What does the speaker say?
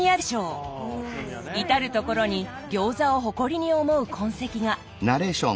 至る所に餃子を誇りに思う痕跡が！